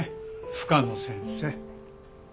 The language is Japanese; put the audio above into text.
深野先生。